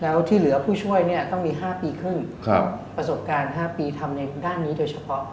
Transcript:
แล้วที่เหลือผู้ช่วยเนี่ยต้องมี๕ปีครึ่งประสบการณ์๕ปีทำในด้านนี้โดยเฉพาะ